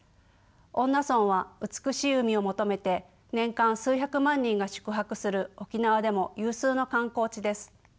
恩納村は美しい海を求めて年間数百万人が宿泊する沖縄でも有数の観光地です。